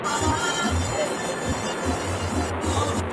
Las dos obras tienen discos editados con sus soundtracks respectivos.